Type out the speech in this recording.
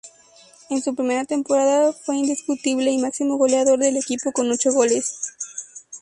En su primera temporada, fue indiscutible y máximo goleador del equipo con ocho goles.